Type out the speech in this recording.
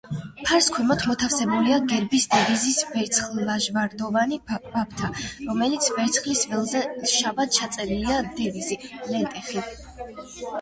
ფარს ქვემოთ მოთავსებულია გერბის დევიზის ვერცხლ-ლაჟვარდოვანი ბაფთა, რომლის ვერცხლის ველზე შავად ჩაწერილია დევიზი „ლენტეხი“.